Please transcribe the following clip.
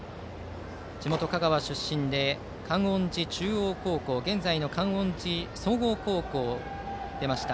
地元・香川出身で観音寺中央高校現在の観音寺総合高校を出ました。